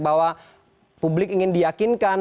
bahwa publik ingin diakinkan